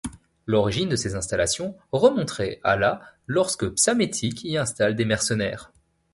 L'origine de ces installations remonterait à la lorsque Psammétique y installe des mercenaires.